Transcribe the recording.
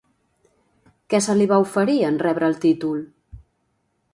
Què se li va oferir en rebre el títol?